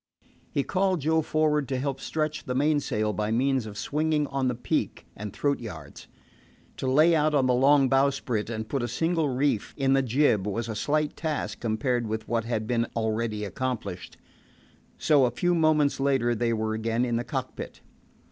He called Joe for'ard to help stretch the mainsail by means of swinging on the peak and throat halyards. To lay out on the long bowsprit and put a single reef in the jib was a slight task compared with what had been already accomplished; so a few moments later they were again in the cockpit.